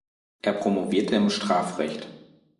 Er promovierte im Strafrecht.